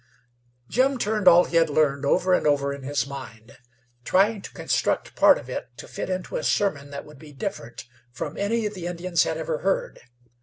Jim turned all he had learned over and over in his mind, trying to construct part of it to fit into a sermon that would be different from any the Indians had ever heard.